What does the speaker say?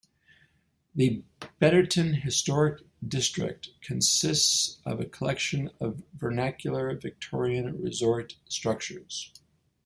The Betterton Historic District consists of a collection of vernacular Victorian resort structures.